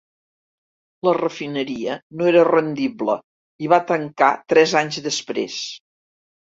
La refineria no era rendible i va tancar tres anys després.